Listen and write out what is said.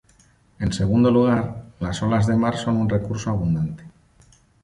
En segundo lugar, las olas de mar son un recurso abundante.